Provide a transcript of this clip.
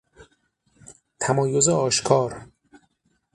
تمایز آشکار